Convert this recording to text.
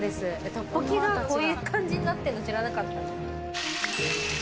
トッポキがこういう感じになってんの知らなかった。